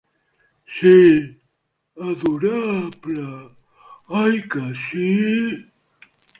Sí, adorable, oi que sí?